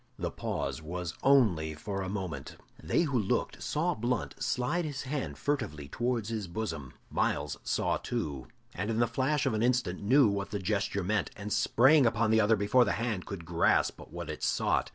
The pause was only for a moment. They who looked saw Blunt slide his hand furtively towards his bosom. Myles saw too, and in the flash of an instant knew what the gesture meant, and sprang upon the other before the hand could grasp what it sought.